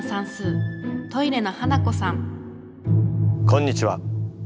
こんにちは。